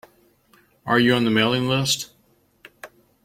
Are you on the mailing list?